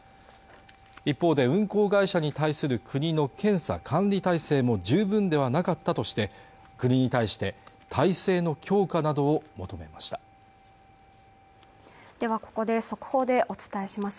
一方で運航会社に対する国の検査管理体制も十分ではなかったとして国に対して体制の強化などを求めましたではここで速報でお伝えします